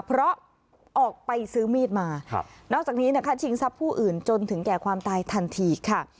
เพราะออกไปซื้อมีดมานอกจากนี้นะคะชิงทรัพย์ผู้อื่นจนถึงแก่ความตายทันทีค่ะ